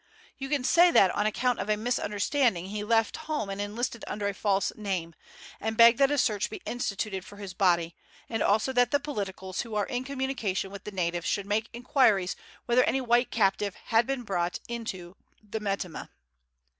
You can say that on account of a misunderstanding he left home and enlisted under a false name, and beg that a search be instituted for his body, and also that the politicals who are in communication with the natives should make inquiries whether any white captive had been brought into Metemmeh.